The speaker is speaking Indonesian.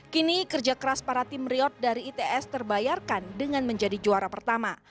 kini kerja keras para tim riot dari its terbayarkan dengan menjadi juara pertama